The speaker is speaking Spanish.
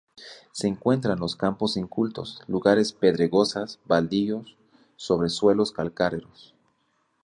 Se encuentra en los campos incultos, lugares pedregosas, baldíos, sobre suelos calcáreos.